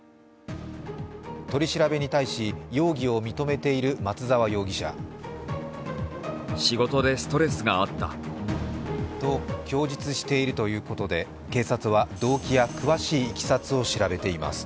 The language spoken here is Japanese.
取り調べに対し容疑を認めている松沢容疑者。と供述しているということで警察は動機や詳しいいきさつを調べています。